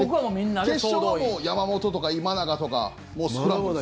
決勝は山本とか今永とかスクランブルですね。